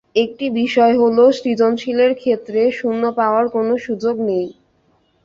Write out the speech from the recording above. একটি বিষয় হলো, সৃজনশীলের ক্ষেত্রে শূন্য পাওয়ার কোনো সুযোগ নেই।